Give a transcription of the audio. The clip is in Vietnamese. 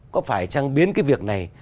có phải rằng biến cái việc này